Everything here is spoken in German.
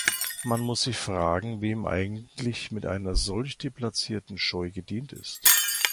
Man muss sich fragen, wem eigentlich mit einer solch deplacierten Scheu gedient ist.